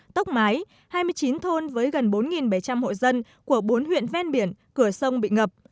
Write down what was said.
tốc mái hai mươi chín thôn với gần bốn bảy trăm linh hộ dân của bốn huyện ven biển cửa sông bị ngập